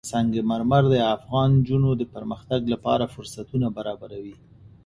سنگ مرمر د افغان نجونو د پرمختګ لپاره فرصتونه برابروي.